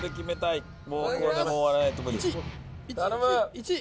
１位！